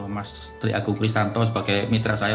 mas triago kristanto sebagai mitra saya